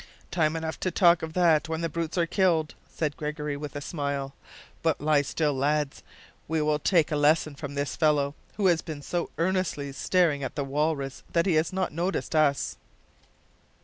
"Time enough to talk of that when the brutes are killed," said Gregory with a smile. "But lie still, lads. We will take a lesson from this fellow, who has been so earnestly staring at the walrus that he has not noticed us."